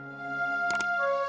kamu gak tau kan